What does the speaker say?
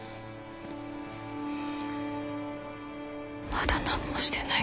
まだ何もしてない。